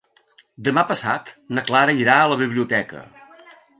Demà passat na Clara irà a la biblioteca.